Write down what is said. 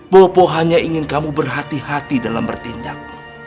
bopo hanya ingin kamu berhati hati dalam bertindak